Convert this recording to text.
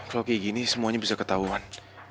kalau kayak gini semuanya bisa ketahuan